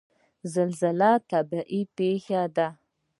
زلزله طبیعي پیښه ده